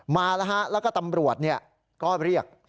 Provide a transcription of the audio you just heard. มาแล้วฮะแล้วก็ตำรวจก็เรียก